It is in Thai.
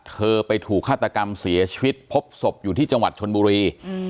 เธอไปถูกฆาตกรรมเสียชีวิตพบศพอยู่ที่จังหวัดชนบุรี